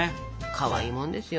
かわいいもんですよ。